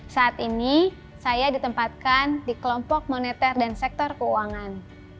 saat ini saya ditempatkan di kelompok moneter dan sektor keuangan